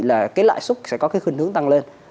là cái lãi xuất sẽ có cái khuyến hướng tăng lên